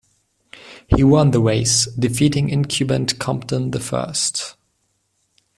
He won the race, defeating incumbent Compton the First.